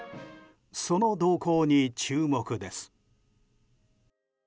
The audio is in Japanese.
その動向に注目です。